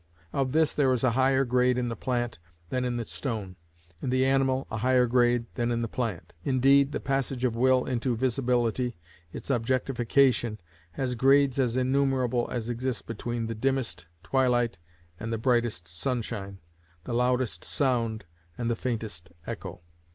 Of this there is a higher grade in the plant than in the stone; in the animal a higher grade than in the plant: indeed, the passage of will into visibility, its objectification, has grades as innumerable as exist between the dimmest twilight and the brightest sunshine, the loudest sound and the faintest echo.